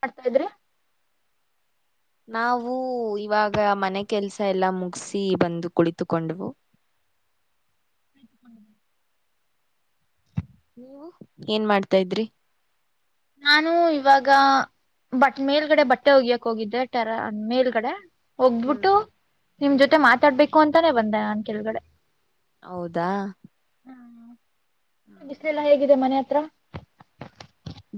ಮಾಡ್ತಾ ಇದ್ರಿ ನಾವು ಇವಾಗ ಮನೆ ಕೆಲ್ಸ ಎಲ್ಲ ಮುಗಸಿ ಬಂದು ಕುಳಿತುಕೊಂಡವು ಹ ನೀವು ಏನ್ ಮಾಡ್ತಾ ಇದ್ರಿ ನಾನು ಇವಾಗ ಬಟ್ ಮೇಲ್ ಕಡೆ ಬಟ್ಟೆ ಒಗೆಕ ಹೋಗಿದ್ದೆ ಟೆರ ಮೇಲ್ಗಡೆ ಹ್ಮ್ ಹೋಗ್ಬಿಟ್ಟು ಹ್ಮ್ ನಿಮ್ ಹ್ಮ್ ಜೊತೆ ಮಾತಾಡ್ಬೇಕು ಹ ಅಂತಾನೇ ಬಂದೆ ನಾನನ್ ಕೆಳಗಡೆ ಹೌದಾ ಬಿಸಿಲೆ ಎಲ್ಲ ಹೇಗಿದೆ ಮನೆ ಪತ್ರ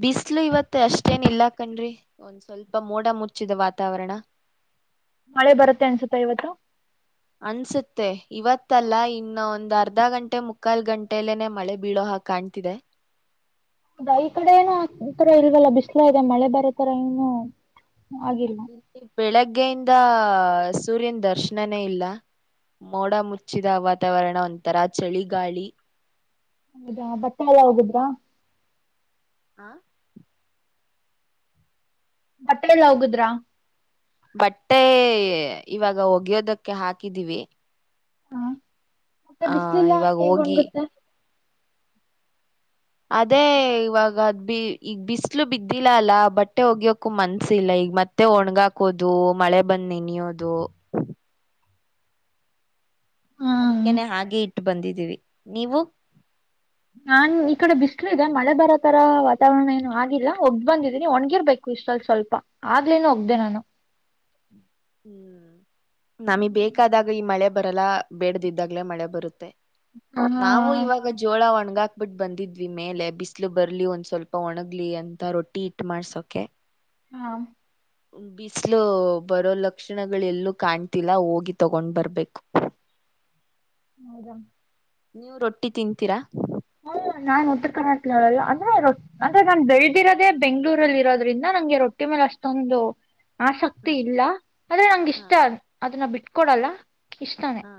ಬಿಸ್ಲು ಇವತ್ ಅಷ್ಟೇನ್ ಇಲ್ಲ ಕಣ್ರಿ ಒಂದ್ ಸ್ವಲ್ಪ ಮೋಡ ಮುಚ್ಚಿದ ವಾತಾವರಣ ಮಳೆ ಬರುತ್ತೆ ಅನ್ಸುತ್ತೆ ಇವತ್ತು ಅನ್ಸುತ್ತೆ ಇವತ್ತಲ್ಲ ಇನ್ನ ಒಂದ್ ಅರ್ಧ ಗಂಟೆ ಮುಕ್ಕಾಲ್ ಗಂಟೆಲ್ಲೇನೆ ಮಳೆ ಬೀಳೋ ಕಾಣ್ತಿದೆ ಹೌದಾ ಈ ಕಡೆ ಏನ ಈತರ ಇಲ್ದಲ್ಲ ಬಿಸ್ಲ ಇದೆ ಮಳೆ ಬರೋತರ ಏನು ಆಗಿಲ್ಲ ಇಲ್ಲಿ ಬೆಳಗ್ಗೆಯಿಂದ ಸೂರ್ಯನ ದರ್ಶನನೇ ಇಲ್ಲ ಮೋಡ ಮುಚ್ಚಿದ ವಾತಾವರಣ ಒಂಥರ ಚಳಿಗಾಳಿ ಹೌದಾ ಬಟ್ಟೆ ಎಲ್ಲ ಹೋಗುದ್ರಾ ಹಾ ಬಟ್ಟೆ ಎಲ್ಲ ಒಗದ್ರಾ ಬಟ್ಟೆ ಇವಾಗ ಒಗೆಯೋದಕ್ಕೆ ಹಾಕಿದೀವಿ ಮತ್ತೆ ಆ ಬಿಸ್ಲಿಲ್ಲ ಇವಾಗ ಹೋಗಿ ಹೇಗಣ್ಗುತ್ತೆ ಅದೇ ಇವಾಗ ಅದ್ ಬಿ ಈಗ ಬಿಸಲು ಬಿದ್ದಿಲ್ಲ ಅಲ್ಲಾ ಬಟ್ಟೆ ಒಗ್ಯೋಕು ಮನ್ಸಿಲ್ಲ ಈಗ ಮತ್ತೆ ಒಣ್ಗಾಕೋದು ಮಳೆ ಬಂದ್ ನೆನಿಯೋದು ಹ್ಮ್ ಅದಕ್ಕೆೇನೆ ಹಾಗೆ ಇಟ್ಟು ಬಂದಿದ್ದೀವಿ ನೀವು ನಾನ್ ಈ ಕಡೆ ಬಿಸ್ಲು ಇದೆ ಮಳೆ ಬರೋ ತರ ವಾತಾವರಣ ಏನು ಆಗಿಲ್ಲ ಒಗ್ದ್ ಬಂದಿದ್ದೀನಿ ಒಣ್ಗಿರ್ಬೇಕು ಇಷ್ಟಲ್ಲಿ ಸ್ವಲ್ಪ ಆಗ್ಲೇನು ಒಗ್ದ ನಾನು ಹ್ಮ್ ನಮಿಗ್ ಬೇಕಾದಾಗ ಗ ಈ ಮಳೆ ಬರಲ್ಲ ಬೇಡದಿದ್ದಾಗ್ಲೇ ಮಳೆ ಬರುತ್ತೆ ಹಾ ನಾವು ಇವಾಗ ಜೋಳ ಒಣ ಹಂಗ ಹಾಕ್ಬಿಟ್ಟು ಬಂದಿದ್ವಿ ಮೇಲೆ ಬಿಸಿಲು ಬರ್ಲಿ ಒಂದ್ ಸ್ವಲ್ಪ ಒಣಗ್ಲಿ ಅಂತ ರೊಟ್ಟಿ ಹಿಟ್ ಮಾಡ್ಸೋಕೆ ಹಾ ಬಿಸಲು ಬರೋಲ ಲಕ್ಷಣಗಳೆಲ್ಲೂ ಕಾಣ್ತಿಲ್ಲ ಹೋಗಿ ತಗೊಂಡ್ ಬರ್ಬೇಕು ಹೌದಾ ನೀವು ರೊಟ್ಟಿ ತಿನ್ಂತೀರಾ ಹಾ ನಾನ್ ಉತ್ತರ ಕರ್ನಾಟಕದವಲ್ಲ ಅಂದ್ರೆ ಅಂದ್ರೆ ನಾನ್ ಬೆಳದಿರೋದೇ ಬೆಂಗ್ಗಳೂರಲ್ಲಿ ಇರೋದ್ರಿಂದ ನಂಗೆ ರೊಟ್ಟಿ ಮೇಲೆ ಅಷ್ಟೊಂದು ಹಾ ಆಸಕ್ತಿ ಇಲ್ಲ ಆದ್ರೆ ನಂಗ ಇಷ್ಟ ಅದನ್ನ ಬಿಟ್ಟ ಕೊಡಲ್ಲ ಹ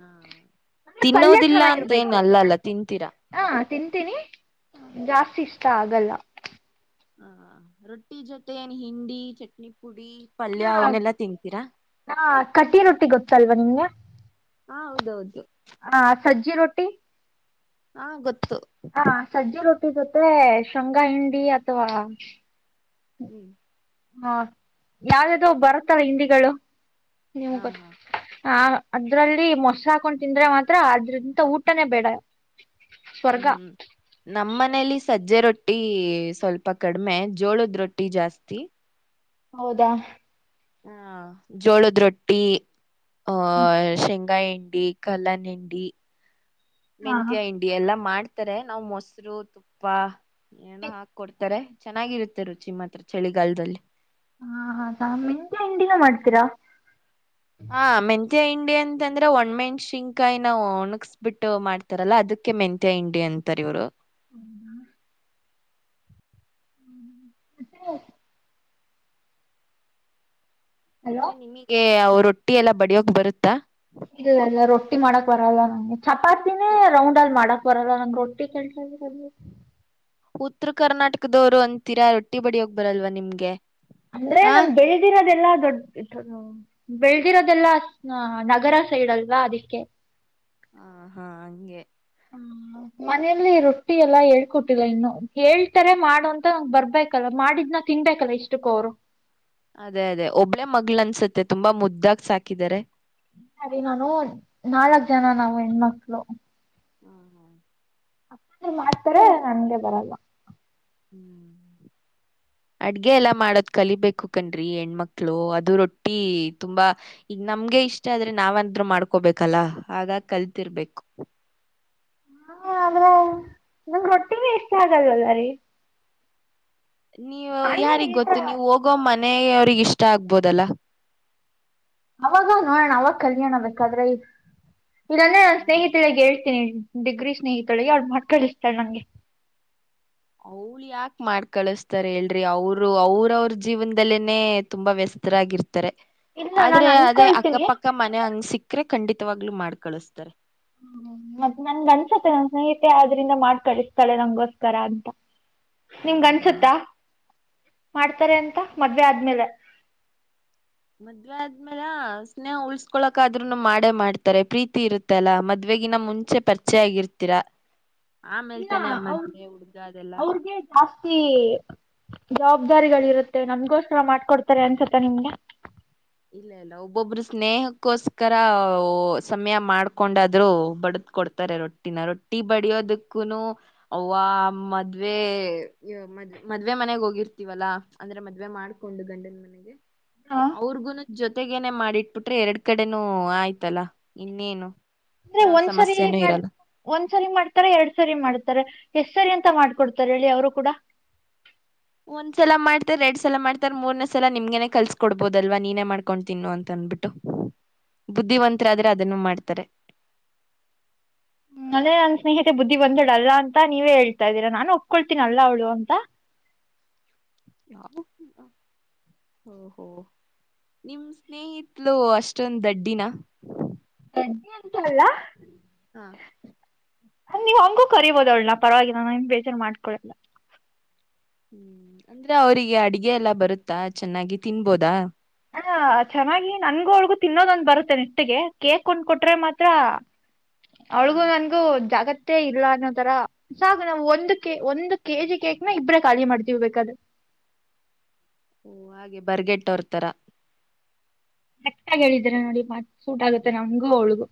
ಹ ಅಂದ್ರೆ ಪಲ್ಯ ತಿನ್ನೋದಿಲ್ಲ ಅಂತೇಏನ್ ಚೆನ್ನಾಗಿರ್ಬೇಕು ಅಲ್ಲ ಅಲ್ಲ ತಿನ್ ಹಾ ತಿಂತೀನಿ ಜಾಸ್ತಿ ಇಷ್ಟ ಆಗಲ್ಲ ಹಾ ರೊಟ್ಟಿ ಜೊತೆ ಹಿಂಡಿ ಚಟ್ನಿ ಪುಡಿ ಪಲ್ಯ ಹಾ ಅವನ್ನೆಲ್ಲಾ ತಿಂತೀರಾ ಹಾ ಕಟ್ಟಿ ರೊಟ್ಟಿ ಗೊತ್ತಲ್ವಾ ನಿಮಗೆ ಹ ಹೌದೌದು ಸಜಜಿ ರೋಟಿ ಹಾ ಗೊತ್ತು ಹಾ ಸಜ್ಜಿ ರೊಟ್ಟಿ ಜೊತೆ ಶೃಂಗಾ ಹಂಡಿ ಅಥವಾ ಹ್ಮ್ ಹಾ ಯಾವ್ದ್ದೋ ಬರುತ್ತ ಹಿಂದಿಗಳು ನೀಮ್ ಹ ಗೊತ್ತ ಹಾ ಹ ಅದ್ರಲ್ಲಿ ಮೊಸ ಹಾಕೊಂಡು ತಿಂದ್ರೆ ಮಾತ್ರ ಅದ್ರಿಂದ ಊಟನೇ ಬೇಡ ಸ್ವರ್ಗ. ಹ್ಮ್ ನಮ್ಮ್ ಮನೇಲಿ ಸಜ್ಜೆ ರೊಟ್ಟಿ ರೊಟ್ಟಿ ಸ್ವಲ್ಪ ಕಡಿಮೆ ಜೋಳದ ರೊಟ್ಟಿ ಜಾಸ್ತಿ ಹೌದಾ ಹ್ಮ ಜೋಳದ ರೊಟ್ಟಿ ಆ ಶೆಂಗಾಯಿ ಕಲ್ಲನಿ ಹಾ ಹಾ ಮೆತ್ಯ ಹಂಡಿ ಎಲ್ಲಾ ಮಾಡ್ ಇತಾರೆ ನಾವ್ ಮೊಸರು ತುಪ್ಪ ಏನ ಹಾಕ್ ಕೊೊಡ್ತಾರೆ ಚೆನ್ನಾಗಿರುತ್ತೆ ರುಚಿಮ್ಮತ್ರ ಚಳಿಗಾಲದಲ್ಲಿ ಹಾ ಹಾ ಮಟ ಹಂಡಿನ ಮಾಡ್ತೀರಾ ಹಾ ಮೆತ್ಯ ಹಂಡಿ ಅಂತಂದ್ರೆ ಒಣ್ಮೆಣಸಿನ್ಕಾಯಿ ನಾವ ಒಣಕ್ಸ್ಬಿಟ್ಟು ಮಾಡ್ತಾರಲ್ಲ ಅದಕ್ಕೆ ಮೆಂತ್ಯ ಇಿಂಡಿ ಅಂತಾರ ಇವ್ರು ಹೌ ಹ್ಮ ಹ್ಮ ಮತ್ತೆ ಹಲೋ ಮತ್ತೆ ನಿಮಗೆ ಅವರು ರೊಟ್ಟಿ ಎಲ್ಲ ಬಡಿಯೋಗ ಬರುತ್ತಾ ಇ ಇಲ್ಲ ರೊಟ್ಟಿ ಮಾಡಕ್ ಬರಲ್ಲ ನಂಗೆ ಚಪಾತಿನೇ ರೌಂಡ್ ಅಲ್ಲಿ ಮಾಡಕ್ ಬರ ರೊಟ್ಟಿ ಕ ಬ [unintelligible] ಉತ್ತರ ಕರ್ನಾಟಕದವರು ಒಂದಂತೀರಾ ರೊಟ್ಟಿ ಬಡಿ ಹೋಗ್ ಬರಲ್ವ ನಿಮ್ಗೆ ಅಂದ್ರೆ ಆ ನಮ್ ಬೆಳ್ದಿಿನದೆಲ್ಲಾ ಡ್ ಬೆಳದಿರೋದೆಲ್ಲ ನಗರ ಸೈಡ್ ಅಲ್ವಾ ಅದಿಕ್ಕೆ ಹ ಹಾ ಹಂಗೆ ಹ್ಮ ಮನೆಯಲ್ಲಿ ರೊಟ್ಟಿ ಎಲ್ಲಾ ಹೇಳ್ಕೊಟ್ಟಿಲ್ಲ ಇನ್ನು ಹೇಳ್ತಾರೆ ಮಾಡು ಅಂತ ಬರ್ಬೇಕಲ್ಲ ಮಾಡಿದ್ನ ತಿನ್ಬೇಕಲ್ಲ ಇಷ್ಟಕ್ಕ ಅವರು, ಅದೇ ಅದೇ ಒಬ್ಳೇ ಮಗ್ಗಳ ಅನ್ಸತ್ತೆ ತುಂಬಾ ಮುದ್ದಾಗ ಸಾಕಿದಿದ್ದಾರೆ, ಸರಿ ನಾನು ನಾಲ್ಕ್ ಜನ ನಾವು ಹೆಣ್ಮಕ್ಳು, ಹ್ಮ್ ಹ್ಮ್ ಹ ರು ಮಾಡ್ತಾರೆ ನನ್ಗೆ ಬರಲ್ಲ ಹ್ಮ್ ಅಡ್ಗೆ ಎಲ್ಲಾ ಮಾಡೋದ್ ಕಲಿಬೇಕು ಕನ್್ರಿ ಹೆಣ್ಮಕ್ಳು ಅದು ರೊಟ್ಟಿ ತುಂಬಾ ಈಗ ನಮ್ಗೆ ಇಷ್ಟ ಆದ್ರೆ ನಾವಾದ್ರು ಮಾಡ್ಕೋಬೇಕಲ್ಲ ಹಾಗಾಗಿ ಕಲಿತಿರ್ಬೇಕು, ಹಾ ಅ್ರ ನಂಗ ರೊಟ್ಟಿಿನ ಇಷ್ಟ ಆಗಲ್ವಲ್ಲ ರೀ, ನೀವು ಅಂದ್ರೆ ಯಾರಿಿಗೆ ಈ ಗೊತ್ತು ತರ ನೀವು ಹೋಗೋಮ್ಮ, ಮನ ಅವ್ರಿಗೆ ಇಷ್ಟ ಆಗ್ಬೋದಲ್ಲ, ಅವಾಗ ನೋಡೋಣ ಅವಾಗ ಕಲ್ಯಾಣ ಬೇಕಾದ್ರೆ, ಇಲ್ಲನ್ನ ಸ್ನೇಹಿತಳಗ್ ಹೇಳಿ ಡಿಗ್ರಿ ಸ್ನೇಹಿತಳ ಅವು ಮಾ ಕಳಿಸ್ತಾರೆ ನಂಗೆ ಅವ್ಳ ಯಾಕ ಮಾಡ್ ಕಳಸ್ತಾರ ಹೇಳ್ರಿ ಅವರು ಅವ್ರವ್ರ ಜೀವನದಲ್ಲೇನನೆ ತುಂಬಾ ವ್ಯಸ್ತರಾಗಿರ್ತ ಇಲ್ಲ ನಾನ್ ಆದ್ರೆ ಅದೇ ಅನ್ಕೊಳ್ತೀನಿ ಅಕ್ಕಪಕ್ಕ ಮನೆ ಹಂಗ ಸಿಕ್ ಅಕ್ರೆ ಖಂಡಿತವಾಗ್ಲುೂ ಮಾಡ್ ಕಳಿಸಸ್ತಾರೆ. ಹ ಮತ್ತತ್ ನನ್ ಅನ್ಸತ್ತೆ ನನ್ ಸ್ನೇಹಿತೆ ಆದ್ರಿಂದ ಮಾಡ್ ಕಳಿಸ್ತಾಳೆ ನಂಗಗೋಸ್ಕರ ಅಂತ, ಹಾ ನಿಮ್ಗ ಹಾ ಅನ್ಸುತ್ತಾ, ಮಾಡ್ತ ಇತಾರೆ ಅಂತ ಹಾ ಮದ್ವೆ ಆದ್ಮೇಲೆ, ಮದ್ವೆ ಆದ್ಮೇಲೆ ಸ್ನೇಹ ಉಳ್ಸ್ಕೊಳಕ್ಾದ್ೂನು ಮಾಡೇ ಮಾಡ್ತಾರೆ ಪ್ರೀತಿ ಇರುತ್ತ ಅಲ್ಲಾ ಮದ್ವೆಗಿನ ಮುಂಚೆ ಪರಿಚಯ ಆಗಿರ್ತೀರಾ, ಆಮೇಲ್ ಇಲ್ಲ ತಾನೆ ಆ ಅವ ಮದ್ವೆ ಹುಡ್ಗ ಅದೆಲ್ಲಾ ಅವ್ರಿಗೆ ಜಾಸ್ತಿ, ಜವಾಬ್ದಾರಿಗಳ ಇರುತ್ತೆ ನಮ್ಗೋಸ್ಕರ ಮಾಡ್ಕೊಡ್ತಾರೆ ಅನ್ಸುತ್ತ ನಿಮ್ಗೆ ಇಲ್ಲ ಇಲ್ಲ ಒಬ್ಬೊಬ್ರು ಸ್ನೇಹಕ್ಕೋಸ್ಕರ ಸಮಯ ಮಾಡ್ಕೊಂಡಾದ್ರು ಬಡದ ಕೊಡ್ತಾರೆ ರೊಟ್ಟಿನ ರೊಟ್ಟಿ ಬಡಿಯೋದಕ್ಕೂನು ಅವ್ವ ಮದ್ವೆ ಮದ್ ಮದ್ವೆ ಮನೆಗ್ ಹೋಗಿರ್ತೀವಲ್ಲಾ ಅಂದ್ರೆ ಮದ್ವೆ ಮಾಡ್ಕೊಂಡು ಗಂಡನ ಮನೆಗೆ ಹಾ ಅವ್ರಗೂ, ನ ಜೊತೆಗೇನೆೇ ಮಾಡಿಟ್ಬಿಟ್ರೆ ಎರಡ್ ಕಡೆನೂ ಆಯ್ತಲ್ಲ ಇನ್ನೇನು, ಅಂದ್ರೆ ಯಾವ ಒಂದ್ಸರಿ ಸಮಸ್ಯೆನೂ ಮಾಡ ಇರಲ್ಲ ಒಂದ್ಸರಿ ಮಾಡ್ತಾರ ಎರಡ್ ಸರಿ ಮಾಡ್ತಾರ, ಎ ಸರಿ ಅಂತ ಮಾಡ್ಕೊಡ್ತಾರೆ ಹೇಳಿ ಅವರು ಕೂಡ, ಒಂದ್ಸಲ ಮಾಡ್ತ ಎರಡ್ ಸಲ ಮಾಡ್ತಾರ ಮೂರ್ನೇ ಸಲ ನಿಮ್ಗೆೇನೆ ಕಲ್ಸಕ ಕೊಡ್ಬೋದಲ್ವಾ ನೀನೇ ಮಾಡ್ಕೊಂಡ ತಿನ್ನು ಅಂತ ಅನ್ಬಿಟ್ಟು ಬುದ್ಧಿವಂತರಾದ್ರೆ ಅದನ್ನು ಮಾಡ್ತಾರೆ, ಹ್ಮ್ ಅದೇ ನನ್ ಸ್ನೇಹಿತ ಬುದ್ಧಿ ಬಂದಡ್ ಅಲ್ಲ ಅಂತ ನೀವೇ ಹೇಳ್ತಾ ಇದ್ದೀರಾ ನಾನನ್ ಒಪ್ಕೊಳ್ತೀನಿ ಅಲ್ಲ ಅವಳು ಅಂತ ಹೋ ನಿಮ ಸ್ನೇಹಿತಲು ಅಷ್ಟೊಂದು ದಡ್ಡಿನ ಎಿ ಎಂತಲ್ಲ ಹಾ ನೀವ್ ಹಂಗೂ ಕರಿಬೋದವಳ ನ ಪರವಾಗಿಲ್ಲ ನಮ್ ಬೇಜಾರ ಮಾಡ್ಕೊಳಲ್ಲ ಹ್ಮ್ ಅಂದ್ರೆ ಅವರಿಗೆ ಅಡಗೆ ಎಲ್ಲಾ ಬರುತ್ತಾ ಚೆನ್ನಾಗಿ ತಿನ್ಬೋದ ಅ ಚೆನ್ನಾಗಿ ನನ್ಗೂ ಒಳ್ಗೂ ತಿನ್ನೋದೊಂದ್ ಬರುತ್ತೆ ನಿಷ್ಟಿಗೆ ಕೇಕ್ ಕೊಂಡ್ ಕೊಟ್ರೆ ಮಾತ್ರ ಹಾ ಅವಳಿಗು ನನ್ಗೂ ಜಾಗತ್ ಅಷ್ಟೇ ಇಲ್ಲ ಅನ್ನೋತರ ಸಾಗು ನಾವು ಒಂದು ಕೆ ಒಂದು ಕೆಜಿ ಕೇಕ್ನ ಇಬ್ರೇ ಖಾಲಿ ಮಾಡ್ತೀವಬೇಕದು ಓ ಹಾಗೆ ಬರ್ಗೆಟ್ಟೋರ್ತರ ರಕ್ ಆಗ ಹೇಳಿದರ ನೋಡಿ ಮತ್ತ್ ಸೂಟ್ ಆಗುತ್ತೆ ನಮಂಗೂ ಅವಳಗು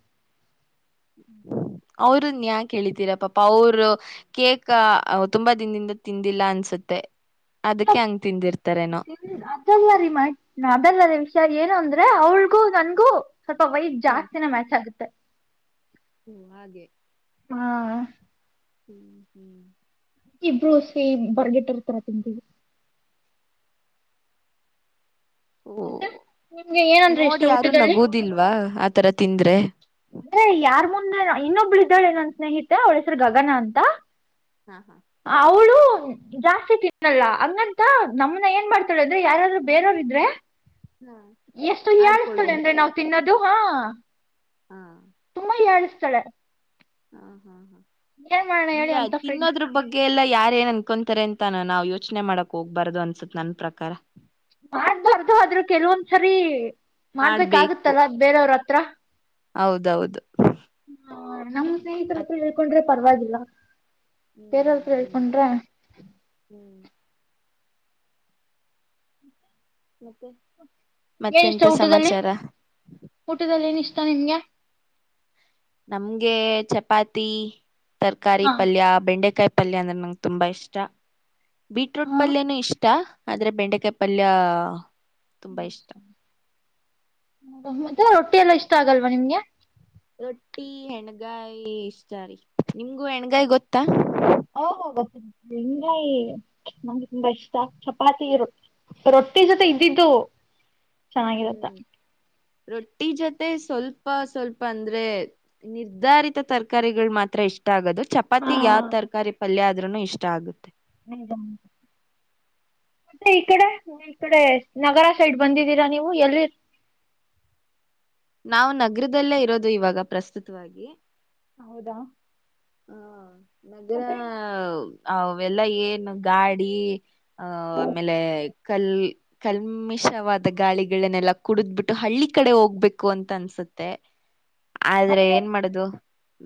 ಅವರುನ್ ಯಾಕ ಹೇಳಿತೀರ ಪಾಪ ಅವರು ಕೇಕ್ ತುಂಬಾ ದಿನದಿಂದ ತಿಂದಿಲ್ಲ ಅನ್ಸುತ್ತೆ ಅದಕ್ಕೆ ಹಂಗ್ ತಿಂದಿರ್ತಾರೇನೋ ಮ ಅದಲ್ಲದ ವಿಷಾರ ಏನು ಅಂದ್ರೆ ಅವ್ಳ್ಗೂ ನನ್ಗೂ ಸ್ವಲ್ಪ ವೈಟ್ ಜಾಸ್ತಿನ ಮ್ಯಾಚ್ ಆಗುತ್ತೆ ಹ್ಮ ಹಾಗೆ ಹ್ಮ ಹ್ಮ್ ಹ್ಮ್ ಇಬ್ರು ಸ ಬರ್ಗಿಟ್ಟಿರ್ತಾರ ತಿವಿ ಓ ಮತ್ತೆ ನಿಮ್ಗೆ ಏನಂದ್ರೆ ಇಷ್ಟ ನೋಡಿ ಯಾರು ಊಟದಲ್ಲಿ ನಗೂುದಿಲ್ವಾ ಆತರ ತಿಂದರೆ ಅಂದ್ರೆ ಯಾರ್ ಮುಂದ ಇನ್ನೊಬ್ಳು ಇದ್ದಾಳೆ ನನ್ನ ಸ್ನೇಹಿತೆ ಅವಳಸ್ರ ಗಗನ ಅಂತ ಹಾ ಹಾ ಅವಳ ಜಾಸ್ತಿ ತಿನ್ನಲ್ಲ ಹಂಗಂತ ನಮನ ಏನ್ ಮಾಡ್ತಾಳ ಅಂದ್ರೆ ಯಾರಾರರು ಬೇರೆಯವ್ರ ಇದ್ರೆ ಹಾ ಎಷ್ಟು ಹೇಳಳ್ಸ್ತಳೆ ಆಡ್ಕೊಳ್ಳೋದು ಅಂದ್ರೆ ನಾವು ತಿನ್ನೋದ ಇದು ಹಾ ಹಾ ಾಣಿಸಥಳ ಹ್ಮ ಹಾ ಹಾ ಈ ಹೇಳಿ ಅಂತ ಫ್ರೆಂಡ್ ತಿನ್ನೋದ್ರ ಬಗ್ಗೆ ಎಲ್ಲ ಯಾರ ಏನ್ ಅನ್ಕೊಂತಾರೆ ಅಂತ ನಾವು ಯೋಚನೆ ಮಾಡಕ್ ಹೋಗ್ಬಾರ್ದದು ಅನ್ಸುತ್ತತ್ ನನ್ ಪ್ರಕಾರ ಮಾಡ್ಬಾರ್ದು ಆದ್ರರು ಕೆಲವೊಂದ್ಸರಿ ಮಾಡ್ಬೇಕು ಮಾಡ್ಬೇಕಾಗುತ್ತಲ್ಲ ಬೇರೆಯವ್ರ ಹತ್ರ ತೃ ಹೌದೌದು ಹ್ಮ ನಮ್ಮ ಸ್ನೇಿತರತ್ರ ಹಳ್ಕೊಂಡ್ರೆ ಪರವಾಗಿವಾಗಿಲ್ಲ ಹ್ಮ್ ಬೇರಳ್ ತರು ಅದು ಹೇಳಳ್ ನಿಜ ಪನ್್ರ ಹ್ಮ್ ಮತ್ತೆ ಏನ ಇಷ್ಟ ಮತ್ತೆಂತ ಊಟದಲ್ಲಿ ಸಮಾಚಾರ ಊಟದಲ್ಲಿ ಏನ ಇಷ್ಟ ನಿಗೆ ನಮ್ಗೆ ಚಪಾತಿ ತರಕಾರಿ ಹಾ ಪಲ್ಯ ಬೆಂಡೆಕಾಯಿ ಪಲ್ಯ ಅಂದ್ರೆ ನಂಗೆ ತುಂಬಾ ಇಷ್ಟ ಬೀಟ್ರೂಟ್ ಹಾ ಪಲ್ಯನೂ ಇಷ್ಟ ಆದ್ರೆ ಬೆಂಡೇ ಕಾಯಿ ಪಲ್ಯ ತುಂಬಾ ಇಷ್ಟ ಹ್ಮ್ ಮ ರೊಟ್ಟಿ ಎಲ್ಲಾ ಇಷ್ಟ ಆಗಲ್ವಾ ನಿಮ್ಗೆ ರೊಟ್ಟಿ ಹೆಣಗಾಯಿ ಇಷ್ಟಾರಿ ನಿಮ್ಗೂ ಹೆಣಗಾಯಿ ಗೊತ್ತಾ ಓ ಗೊತ್ತ ಹೆಂಗಾಯಿ ನಮ್ಗೆ ತುಂಬಾ ಇಷ್ಟ ಚಪಾತಿ ರೊಟ್ಟಿ ಜೊತೆ ಇದ್ದಿದ್ದು ಚೆನ್ನಾಗಿರತ್ತ ಹ್ಮ್ ರೊಟ್ಟಿ ಜೊತೆ ಸ್ವಲ್ಪ ಸ್ವಲ್ಪ ಅಂದ್ರೆ ನಿರ್ಧಾರಿತ ತರಕಾರಿಗಳು ಮಾತ್ರ ಇಷ್ಟ ಆಗೋದು ಹಾ ಚಪಾತಿ ಯಾವ್ ತರಕಾರಿ ಪಲ್ಯ ಆದ್ರರುೂ ಇಷ್ಟ ಇಷ್ಟ ಆಗುತ್ತೆ ಹ ಮತ್ತೆ ಈ ಕಡೆ ಈ ಕಡೆ ನಗರ ಸೈಡ್ ಬಂದಿದ್ದೀರಾ ನೀವು ಎಲ್ಲಿ ನಾವು ನಗರದಲ್ಲೇ ಇರೋದು ಇವಾಗ ಪ್ರಸ್ತುತವಾಗಿ ಹೌದಾ ಹ್ಮ ನಗರ ಮತ್ತೆ ಅವೆಲ್ಲ ಏನು ಗಾಡಿ ಆಹ ಆಮೇಲೆ ಕಲ್ ಕಲ್ಮಿಷವಾದ ಗಾಳಿಗಳನ್ನೆಲ್ಲ ಕುಡಿದ್ಬಿಟ್ಟು ಹಳ್ಳಿ ಕಡೆ ಹೋಗ್ಬೇಕು ಅಂತ ಅನ್ಸುತ್ತೆ ಆದ್ರೆ ಏನ್ ಮಾಡುದು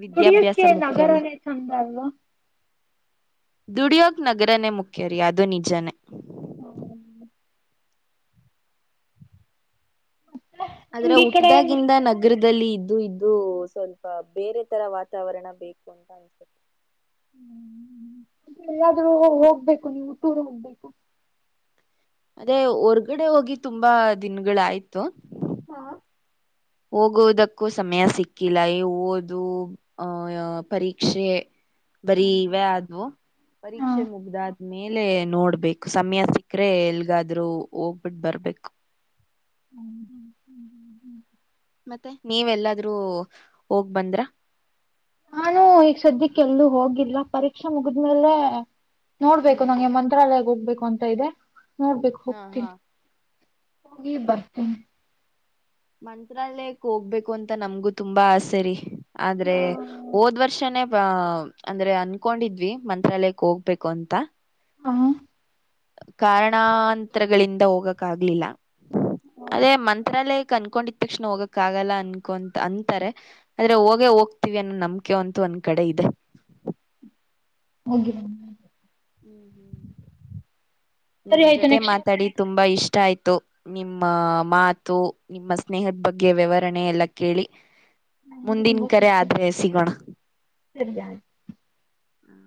ವಿದ್ಯಾಭ್ಯಾಸ ಮುಕ್ ನಗರ ಚಂದ ಅಲ್ವಾ ದುಡಿಯಾರ್ಕ್ ನಗರನೇ ಮುಖ್ಯ ರ ಅದು ನಿಜಾನೇ ಹ್ಮ ಆದ್ರೆ ನಿಮ್ಗೆ ಈ ಕಡೆ ಹುಟ್ಟ್ದಾಗಿಂದ ನಗರದ ಇದಲ್ಲಿ ಇದ್ದು ಇದ್ದು ಸ್ವಲ್ಪ ಬೇರೆ ತರ ವಾತಾವರಣ ಬೇಕು ಅಂತ ಅನ್ಸುತ್ತೆ ಹ್ಮಾದ್ರೂ ಹೋಗ್ಬೇಕು ನೀವು ಹುಟ್ಟೂರು ಹೋಗ್ಬೇಕು ಅದೇ ಹೊರ್ಗಡೆ ಹೋಗಿ ತುಂಬಾ ದಿನಗಳ ಆಯ್ತು ಹಾ ಹೋಗುವುದಕ್ಕೂ ಸಮಯ ಸಿಕ್ಕಿಲ್ಲ ಓದು ಅಹ ಪರೀಕ್ಷೆ ಬರೀ ಇವೆ ಆದ್ವು ಪರೀಕ್ಷೆ ಮುಗ್ದ ಮೇಲೆ ನೋಡ್ಬೇಕು ಸಮಯ ಸಿಕ್ಕ್ರೆ ಎಲ್ಗಾದ್ರೂ ಹೋಗ್ಬಿಟ್ಟ ಬರ್ಬೇಕು ಹ್ಮ ಹ್ಮ್ ಹ್ಮ್ ಹ್ಮ ಹ್ಮ್ ಮತ್ತೆ ನೀವೆಲ್ಲಾದ್ರೂ ಹೋಗ್ ಬಂದ್ರ ನಾನು ಈಗ ಸದ್ಯಕ್ಕೆ ಎಲ್ಲೂ ಹೋಗಿಲ್ಲ ಪರೀಕ್ಷೆ ಮುಗಿದ್ಮೇಲೆ ನೋಡ್ಬೇಕು ಹ್ಮ್ ನಂಗೆ ಮಂತ್ರಾಲಯ ಒಗ್ ಬೆಕ್ ಅಂತ ಇದೆ ನೋಡ್ಬೇಕು ಹ ಹಾ ಹೋಗ್ತೀನಿ ಹಿ ಬರ್ತೇ ಮಂತ್ರಾಲಯಕ್ ಹೋಗ್ಬೇಕು ಅಂತ ನಮ್ಗು ತುಂಬಾ ಆಸರಿ ಆದ್ರೆ ಹೋದ್ ವರ್ಷನೇ ಆ ಅಂದ್ರೆ ಅನ್ಕೊಂಡಿದ್ವಿ ಮಂತ್ರಾಲಯಕ್ ಹೋಗ್ಬೇಕು ಅಂತ ಹ ಕಾರಣಾಂತರಗಳಿಂದ ಹೋಗಕ್ ಆಗ್ಲಿಲ್ಲ, ಅದೇ ಮಂತ್ರಾಲಯ, ಅನ್ಕೊಂಡಿದ ತಕ್ಷಣ ಹೋಗಕ್ ಆಗಲ್ಲ ಅನ್ಕೊಂತ ಅಂತಾರೆ ಆದ್ರೆ ಹೋಗೇ ಹೋಗ್ತೀವಿ ಅನ್ನೋ ನಮಿಕೆ ಅಂತೂ ಒಂದ್ ಕಡೆ ಇದೆ. ಹೋಗಿರ, ಹ್ಮ್ ಹ್ಮ್ ನಿಮ್ ಸರಿ ಆಯ್ತು ಜೊತೆ ನೆಕ್ಸ್ಟ್ ಮಾತಾಡಿ ತುಂಬಾ ತುಂಬಾ ಇಷ್ಟ ಆಯ್ತು ನಿಮ್ಮ ಮಾತು ನಿಮ್ಮ ಸ್ನೇಹದ ಬಗ್ಗೆ ವಿವರಣೆ ಎಲ್ಲ ಕೇಳಿ, ನಂಗೆ ಮುಂದಿನ ತುಂಬಾ ಕರೆ ಖುಷಿ ಆದ್ರೆ ಆಯ್ತು ಸಿಗೋಣ ಸರಿ ಹ್ಮ್